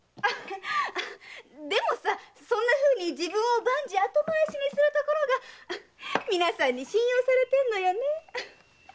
でもさそんな風に自分を万事後回しにするところがみなさんに信用されてんのよねえ。